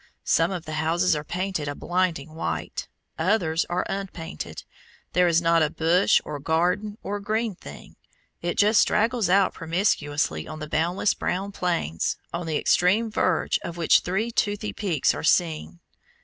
Some of the houses are painted a blinding white; others are unpainted; there is not a bush, or garden, or green thing; it just straggles out promiscuously on the boundless brown plains, on the extreme verge of which three toothy peaks are seen.